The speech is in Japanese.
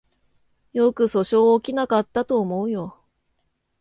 よく訴訟起きなかったと思うよ